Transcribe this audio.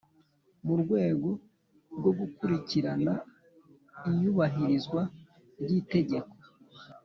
mu rwego rwo gukurikirana iyubahirizwa ry Itegeko